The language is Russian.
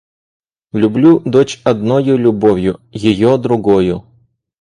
Люблю дочь одною любовью, ее — другою.